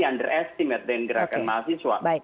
underestimate dengan gerakan mahasiswa oke baik